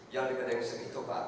yang di bedengseng itu pak